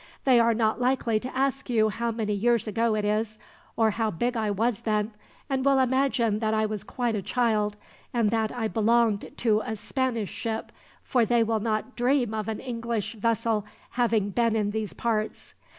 They are not likely to ask you how many years ago it is, or how big I was then, and will imagine that I was quite a child, and that I belonged to a Spanish ship, for they will not dream of an English vessel having been in these parts.